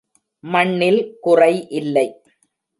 மண்ணில் குறை இல்லை!